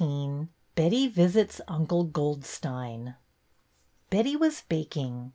XIV BETTY VISITS UNCLE GOLDSTEIN B etty was baking.